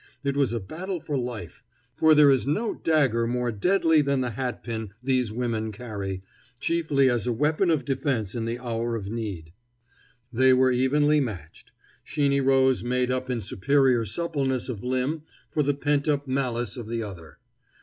It was a battle for life; for there is no dagger more deadly than the hatpin these women carry, chiefly as a weapon of defense in the hour of need. They were evenly matched. Sheeny Rose made up in superior suppleness of limb for the pent up malice of the other.